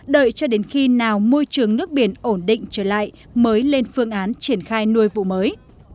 đợi cho đến khi nào môi trường nước biển ổn định trở lại mới lên phương án triển khai nuôi vụ mới